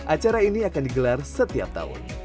acara ini akan digelar setiap tahun